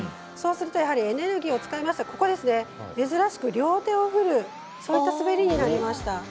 そうするとエネルギーを使いますとここですね珍しく両手を振る滑りになりました。